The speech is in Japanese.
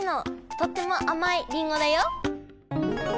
とってもあまいりんごだよ！